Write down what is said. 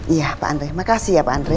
iya pak andre makasih ya pak andre